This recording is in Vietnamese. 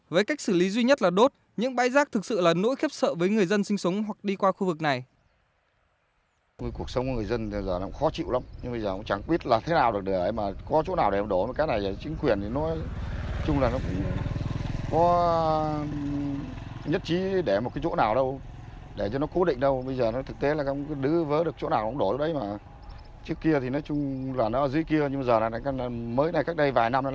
với cách xử lý duy nhất là đốt những bãi rác thực sự là nỗi khiếp sợ với người dân sinh sống hoặc đi qua khu vực này